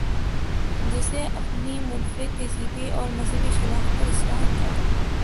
جسے اپنی منفردتہذیبی اورمذہبی شناخت پر اصرار تھا۔